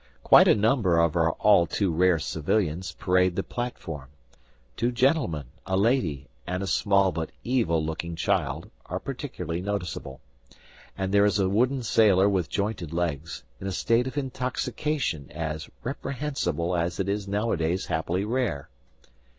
Quite a number of our all too rare civilians parade the platform: two gentlemen, a lady, and a small but evil looking child are particularly noticeable; and there is a wooden sailor with jointed legs, in a state of intoxication as reprehensible as it is nowadays happily rare.